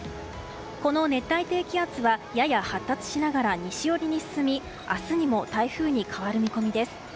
この熱帯低気圧はやや発達しながら西寄りに進み明日にも台風に変わる見込みです。